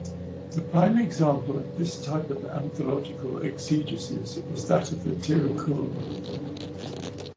The prime example of this type of anthological exegeses is that of the Tirukkural.